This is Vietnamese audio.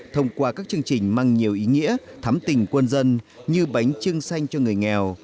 thông qua các chương trình mang nhiều ý nghĩa thắm tình quân dân như bánh trưng xanh cho người nghèo